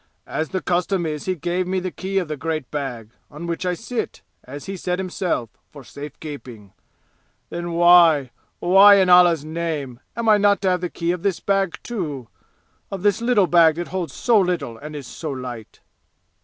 As the custom is he gave me the key of the great bag on which I sit as he said himself, for safe keeping. Then why why in Allah's name am I not to have the key of this bag too? Of this little bag that holds so little and is so light?"